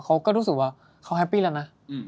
เขาก็รู้สึกว่าเขาแฮปปี้แล้วนะ